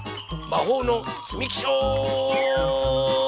まほうのつみきショー！